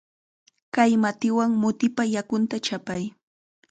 Kay matiwan mutipa yakunta chaqay.